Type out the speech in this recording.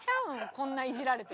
こんないじられて。